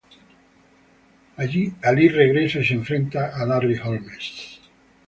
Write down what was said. Alí regresa y se enfrenta a Larry Holmes.